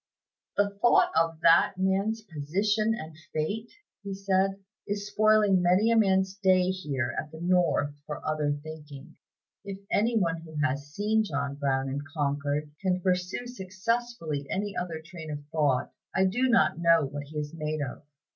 "The thought of that man's position and fate," he said, "is spoiling many a man's day here at the North for other thinking. If any one who has seen John Brown in Concord, can pursue successfully any other train of thought, I do not know what he is made of.